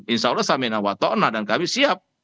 insya allah samina watona dan kami siap